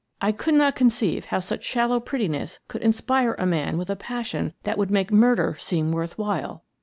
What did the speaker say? I could not conceive how such shallow pret tiness could inspire a man with a passion that would make murder seem worth while!